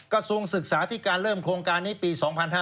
กระทรวงศึกษาที่การเริ่มโครงการนี้ปี๒๕๕๙